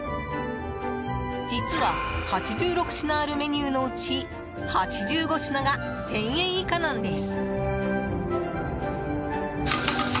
実は、８６品あるメニューのうち８５品が１０００円以下なんです。